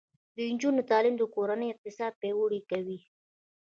د نجونو تعلیم د کورنۍ اقتصاد پیاوړی کوي.